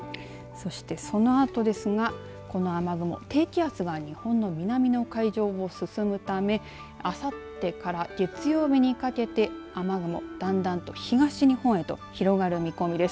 そして、そのあとですがこの雨雲、低気圧が日本の南の海上を進むためあさってから月曜日にかけて雨雲だんだんと東日本へと広がる見込みです。